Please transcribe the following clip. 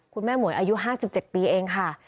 คุณแม่หมวยอายุ๕๗ปีเองค่ะ